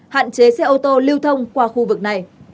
hạn chế xe ô tô lưu thông qua khu vực này